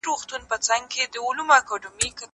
هغه وويل چي نان صحي دی؟!